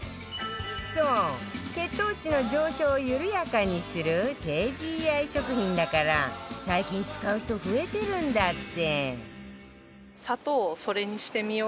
そう血糖値の上昇を緩やかにする低 ＧＩ 食品だから最近使う人増えてるんだって